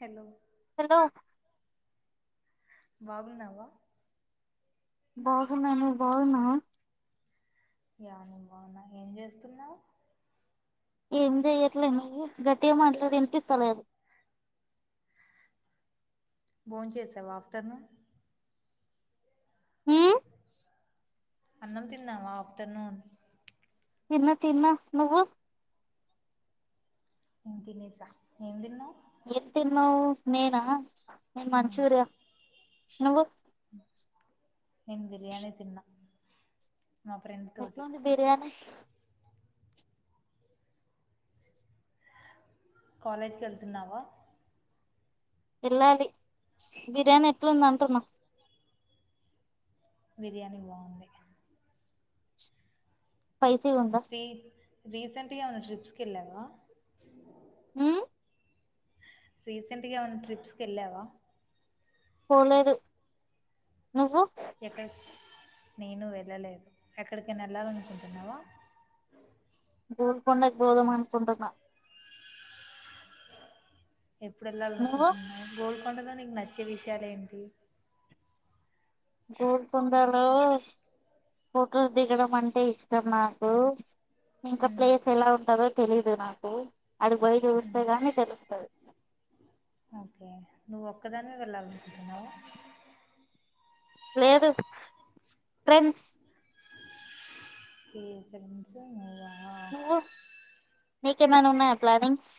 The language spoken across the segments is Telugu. హలో హలో బాగున్నావా బాగున్నాను నువు బాగున్నావ ని బాగున్నావా ఏం చేస్తున్నావు ఏం చెయట్లేను గట్టిగా మాట్లాడి వినిపిస్తలేదు బోన్ చేసావా ఆఫ్టర్నూన్ ఉమ్ అన్నం తిన్నావా ఆఫ్టర్నూన్ తిన్న తిన్న నువ్వు నేను తినేసా ఏం తిన్నావ్. ఎంతిన్నావ్ నేనా నేను మ్మ్. మంచూర్య నువు నేను బిర్యానీ తిన్నా మా ఫ్రెండ్ తోటి ఎట్లుంది బిర్యానీ కాలేజ్కి ఎళ్తున్నావా ఎలాలీ బిర్యానీ ఎట్లు ఎట్లుందంటున్న బిర్యానీ బావుంది. స్పైసీగుందా రీ రీసెంట్గా ఏవన్నా ట్రిప్స్కి కెళ్ళావా ఉహ్ రీసెంట్గా ఏమన్నా ట్రిప్స్కి వెళ్ళావా పోలేదు నువ్వు ఎక్కడక్ నేను వెళ్ళలేదు. ఎక్కడికైనా వెళ్ళాలనుకుంటున్నావా. గోల్కొండక్ బోధం అనుకుంటున్నా. ఎప్పుడెలాల్ నువ్వు అనుకుంటున్నావ్ గోల్ కొండాతో నిక్ నచ్చే విషయాలేంటి గోల్కొండ లో ఫొటోస్ దిగడం అంటే ఇష్టం. నాకు ఇంకా మ్మ్. ప్లేస్ ఎలా ఉంటదో తెలిదు నాకు అడుగుపోయి చూస్తే గానీ తెలుస్తది. ఓకే నువ్వు ఒక్కదానివే వెళ్ళాలనుకుంటున్నావా లేదు ఫ్రెండ్స్ ఏ ఫెండ్ అ నువ్వు. నీకేమనా ఉన్నాయా ప్లానింగ్స్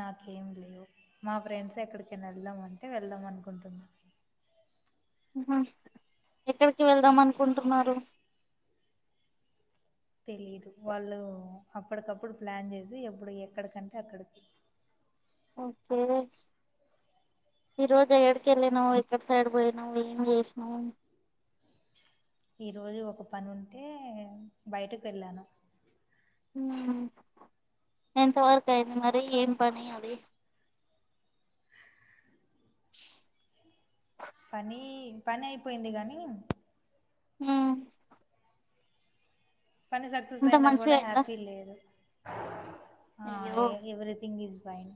నాకేం లేవు మా ఫ్రెండ్స్ ఎక్కడికినా వెళ్దామంటే. వెళ్దాం అనుకుంటున్నా. ఉహ్ హు ఎక్కడికి వెళ్దాం అనుకుంటున్నారు. తెలీదు వాళ్ళు అప్పటికప్పుడు ప్లాన్ చేసి ఎప్పుడు ఎక్కడికంటే అక్కడికి ఓకే ఈరోజు ఎక్కడికెళ్ళినావు, ఎక్కడ సైడ్ పోయినావ్, ఏం చేసినావ్. ఈరోజు ఒక పని ఉంటే. బయటకు వెళ్ళాను ఉహ్మ్ ఎంతవరక్ అయింది. మరి ఏం పని ఆది పని పని అయిపోయింది గానీ ఉహ్ పని సక్సెస్ ఇంత అయినా మంచిగా కూడా అయిందా హ్యాపీ లేదు. అ ఆ అయ్యో ఎ ఎవరిథింగ్ ఇజ్ ట్రైన్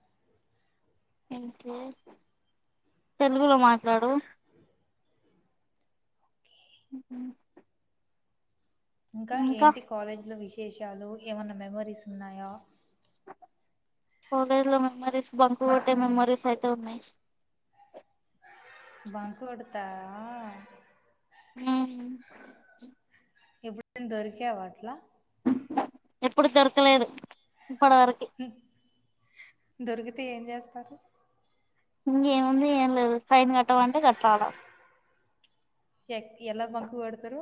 తెలుగులో మాట్లాడు ఉహ్ హు ఇంకా ఏంటి కాలేజ్ లో విషయ్ శేసాలు ఏమన్నా మెమరీస్ ఉన్నాయా. కాలేజ్లో మెమరీస్ బంక్కొట్టే మెమరీస్ అయితే ఉన్నాయి. బకు అడుత హ ఎప్పుడ దొరికవా అట్లా ఎప్పుడు దొరకలేదు ఇ పడరకి దొరికితే ఏం చేస్తారు ఇంకేముంది ఏం లేదు సైన్ కట్టమంటే కట్ట్రావడం ఎక్ ఎలా బంకు వాడతారు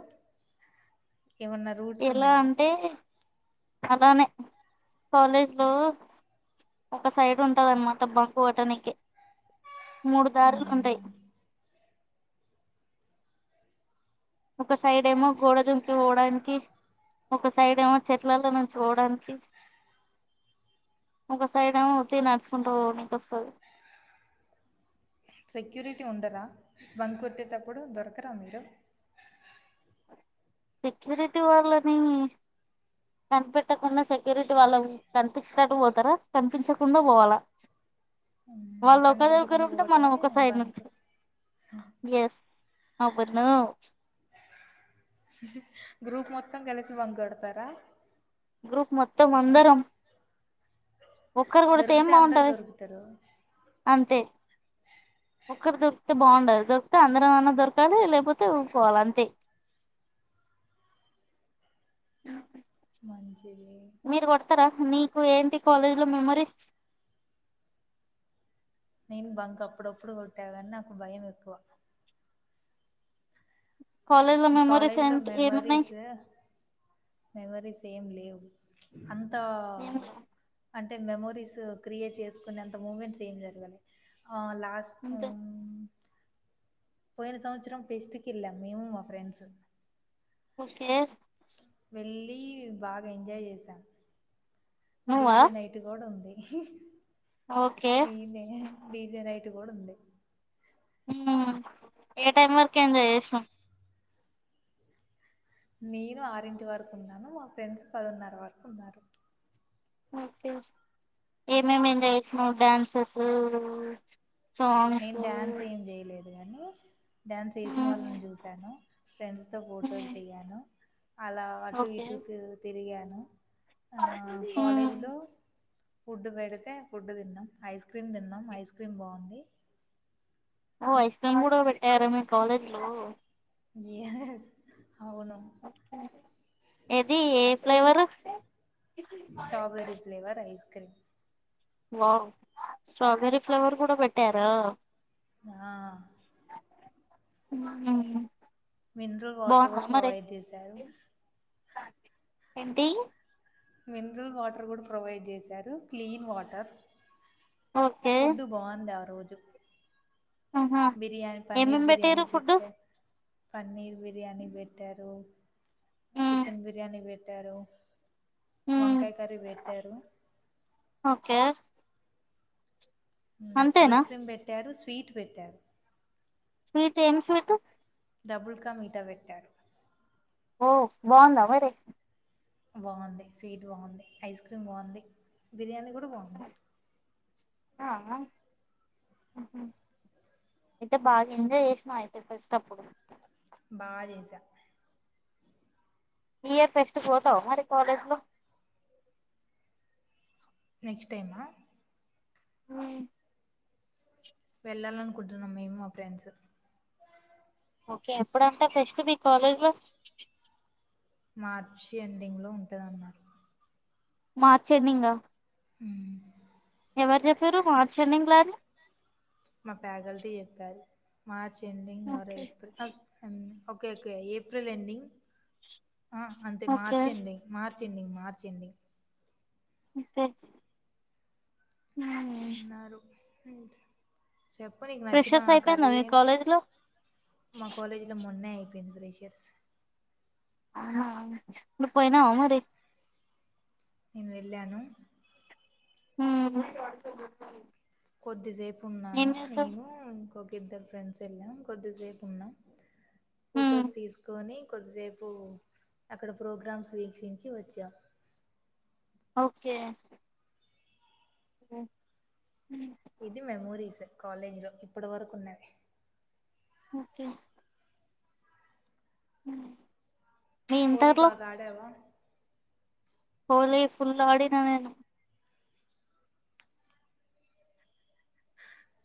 ఎలా అంటే అలానే కాలేజ్ లో ఒక సైడ్ ఉంటందన్నమాట బకువటానికి మూడు దారులు ఊహూ ఉంటాయి ఒక సైడ్ ఏమో గోడదుంకి పోడానికి ఒక సైడ్ ఏమో చెట్లల్లో నుంచి పోడానికి ఒక సైడ్ ఏమో త నడుచుకుంటా నీక వస్తుంది సెక్యూరిటీ ఉండరా బంద్ కొట్టేటప్పుడు దొరకరా మీరు సెక్యూరిటీ వాళ్ళని కనిపెట్టకుండా సెక్యూరిటీ వాళ్ళ కనిపించినట్టు పోతారా కనిపించకుండా పోవాలా మ్మ్. వాళ్ళు ఒకరి ఒకరు కనిపించకుండా ఉంటే మనం పోవటమే ఒక సైడ్ బంక్ నుంచి ఎస్ మబరిను గ్రూప్ మొత్తం కలిసి పండతారా గ్రూప్ మొత్తం అందరం ఒక్కరు కొడితే ఏం దొరికితే అందరు బాగుంటది దొరుకుతారు అంతే ఒక్కరు దొరికితే బాగుండదు దొరికితే అందరం అన్నా దొరకాలి లేకపోతే ఊకోవాలి అంతే. మంచిది మీరు కొడతారా నీకు ఏంటి కాలేజీ లో మెమరీస్. నేను బంక్ అప్పుడప్పుడు కొట్టాగాని నాకు భయం ఎక్కువ కాలేజ్ లో మెమోరీస్ కాలేజీలో ఏంటి ఏమున్నాయ్ మెమరీస్ మెమరీస్ ఏం లేవు ప్చ్ అం తా ఏం లేవు అంటే మెమోరీస్ క్రియేట్ చేసుకునే అంత మూమెంట్స్ ఏం జరగలె ఆ లాస్ట్ అంతే మూమ్ పోయిన సంవత్సరం ఫెస్ట్ కెళ్లాం మేము మా ఫ్రెండ్స్ ఓకే వెళ్లి బాగా ఎంజాయ్ చేసాన్ నువ్వా డీజే నైట్ కూడా ఉంది ఓకే ఈన్నే డీజే రైట్ కూడా ఉంది నా ఏ టైం వరకు ఆ, ఏంజాయ్ చేస్నావ్ నేను ఆరింటి వరుకు ఉన్నాను మా ఫ్రెండ్స్ పదోన్నర వరకు ఉన్నారు ఓకే ఏమేమి ఎంజాయ్ చేసినవు డ్యాన్సెసు సాంగ్సు దు గానీ డ్యాన్స్ చేసిన వాళ్ళను జూశాను, ఫ్రెండ్స్ తో ఫొటోస్ ఉమ్ దిగాను, అలా అటు ఓకే ఇటు తిరు తిరిగా ఆ ఉమ్ కాలేజీలో ఫుడ్ పెడితే ఫుడ్ తిన్నం, ఐస్ క్రీమ్ తిన్నం, ఐస్ క్రీమ్ బాగుంది. ఓ ఐస్ క్రీమ్ కూడా పెట్టార మీ కాలేజ్ లో? ఏస్ అవును ఎది ఏ flavour? Strawberry flavour ice cream. Wow strawberry flavour కూడా పెట్టారా ఆ ఉమ్ మిన్రల్ వాటర్ బాగుందా కూడా మరి ప్రొవైడ్ చేసారు. ఏంటీ? మిన్రల్ వాటర్ గుడా ప్రొవైడ్ చేశారు క్లీన్ వాటర్ ఓకే ఫుడ్ బాగుంది ఆ రోజు ఆహా బిర్యానీ పన్నీర్ ఏమేం బిర్యానీ పెట్టారు ఫుడ్ పెట్ట పన్నీర్ బిర్యానీ పెట్టారు. మ్మ్ చికెన్ బిర్యానీ పెట్టారు. మ్మ్ వంకాయ కర్రీ పెట్టారు. ఓకే అంతేనా ఐస్ క్రీమ్ పెట్టారు. పీట్ పెట్టారు. స్వీట్ ఏం స్వీటు డబుల్కా మీట పెట్టారు. ఓ బాగుందా మరి బాగుంది స్వీట్ బాగుంది. ఐస్ క్రీమ్ బాగుంది బిర్యానీ గుడ బాగుంది. ఆ అయితే బాగా ఎంజయ్ చేసిన్ అయి రేప్ అచ్చేటప్పుడు బా చేసా ఈ ఇయర్ ఫెస్ట్ పోతవా మరి కాలేజ్లో నెక్స్ట్ టైమా మ్ వెళ్ళాలనుకుంటున్నాం మేము మా ఫ్రెండ్స్ ఓకే ఎప్పుడంట ఫెస్ట్ మీ కాలేజ్లో మార్చి ఎండింగ్లో ఉంటదన్నారు. మార్చ్ ఎండింగా హ్ ఎవర్ చెప్పింరు మార్చి ఎండింగ్లా అని మా ఫ్యాకల్టీ చెప్పారు. March ending or okay April okay okay April ending ఆ అంతే ఓకే మార్చ్ ఎండింగ్ మార్ ఎండింగ్ మార్చ్ ఎండింగ్ [unintelligible] అన్నారు హ్మ్. చెప్పు నీకు నచ్చిన ఫ్రెషర్స్ అయిపోయిందా కర్రీ మీ ఏంటి కాలేజ్ లో మా కాలేజీ లో మొన్న అయి బింద్రేషన్స్ నువ్వు పోయినా అ మరి నేను వెళ్ళాను హ కొద్దిసేపు ఉన్నాను నేను ఇంకొ ఇద్దరు ఫ్రెండ్స్ వెళ్ళాం కొద్దిసేపు ఉన్నాం హ్మ్ ఫొటోస్ తీసుకొని కొద్దిసేపు అక్కడ ప్రోగ్రామ్స్ వీక్షించి వచ్చాం ఓకే హ్మ్ ఇది మెమోరీస్ కాలేజీ లో ఇప్పటి వరకు ఉన్నవి ఓకే అ పోలీ బాగా ఆడవా హలీ ఫుల్ ఆడిన నేను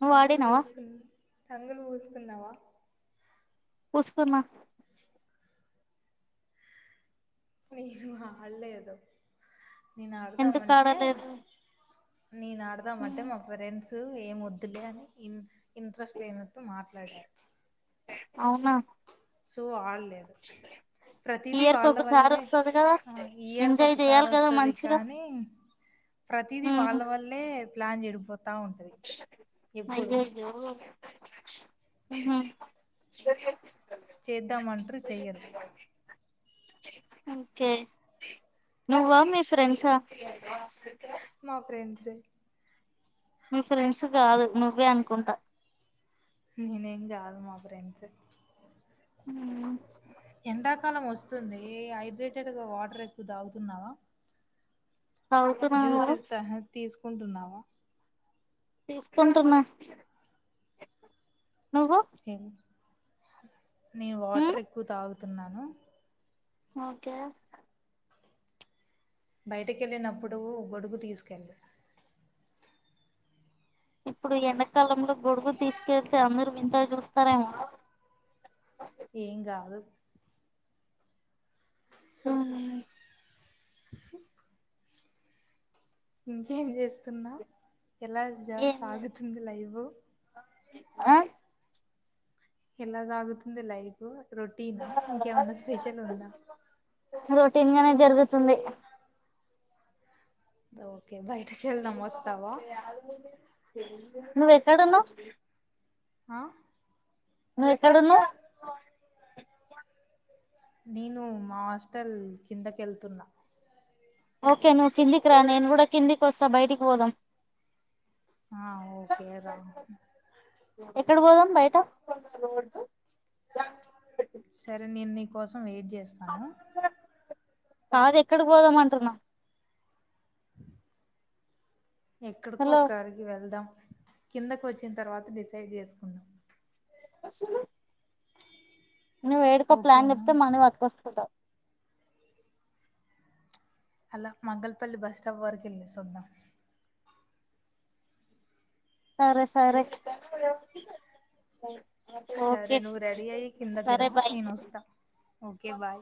నువ్వు రంగుల ఆడినావా పూసుకొని తంగులు పూసుకుందవా పూసుకున్న లేస్ మా వల్ల ఎదో నేను ఎందుకు ఆడదామంటే ఆడలేదు నేను అడదామంటే హ్మ్ మా ఫ్రెండ్స్ ఏం వద్దులే అని ఇన్ ఇంట్రెస్ట్ లేన మాట్లాడారు అవునా సో ఆల్ ప్రతిది ఇయర్ కి వాళ్ళ ఒకసారి వల్లే వస్తది కదా ఇయర్ కు ఎంజాయ్ ఒకసారి చెయ్యాలి కదా వస్తుంది మంచిగా కానీ ప్రతిది హ్మ్ వాళ్ళ వల్లే ప్లాన్ చెడుపు అయ్యయ్యో హ్మ్ చేద్దామంటారు చెయ్యరు కే నువ్వా మీ ఫ్రెండ్స్ ఆ మా ఫ్రెండ్సే మీ ఫ్రెండ్స్ కాదు నువ్వే అనుకుంటా నేనేం కాదు మా ఫ్రెండ్స్ హ్మ్ ఇందాక్ కాలం వస్తుంది హైడ్రేటెడ్ గా వాటర్ ఎక్కువ తాగుతున్నావా తాగుతున్నా నువ్వు కుంటున్నావా తీసుకుంటున్నా నువ్వు నేను హ్మ్ వాటర్ ఎక్కువ తాగుతున్నాను ఓకే బయటి కెళ్ళినప్పుడు గొడుగు తీసుకెళ్ళు ఇప్పుడు ఎడాకాలంలో గొడుగు తీసుకెళ్తే అందరూ వింతగా చూస్తారేమో ప్చ్ ఏం కాదు హుమ్ ఆ ఇంకేం చేస్తున్నావ్ ఎలా జ ఏం లేదు సాగుతుంది లైఫ్ ఆ ఎలా సాగుతుంది లైఫ్ రొటీనా ఇంకేమన్నా స్పెషల్ ఉందా రొటీన్ గానే జరుగుతుంది త ఓకే బయటకి వెళ్దాం వస్తావా నువ్ యాడున్నావ్ ఆ నువ్ ఎక్కడున్నావ్ నేను మా హాస్టల్ కింద కెళ్తున్నా ఓకే నువ్వు కిందికి రా నేను గుడా కిందికి వస్తా బయటికి పోదాం ఆ ఓకే రా ఎక్కడ పోదాం బయట సరే నేను నీ కోసం ఏది చేస్తాను కాదు ఎక్కడ పోదామంటున్నా ఎక్కడికో హలో ఒక్కడికి వెళ్దాం కిందకి వచ్చిన తర్వాత డిసైడ్ చేసుకుందాం స నువ్వేడికో ప్లాన్ ఓకేనా చెప్తే మన పట్కోస్కుంట అలా మంగల్పల్లి బస్ స్టాప్ వరకు ఎల్లే సోద్ధం సరే సరే సరే ఓకే నువ్వు రెడీ అయ్యి కిందకి సరే రా బాయ్ నేను వస్తా ఓకే బాయ్